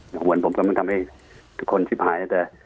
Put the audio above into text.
หวังว่าผมกำลังทำให้ทุกคนชิบหายนะเจอ